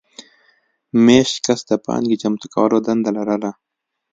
مېشت کس د پانګې چمتو کولو دنده لرله.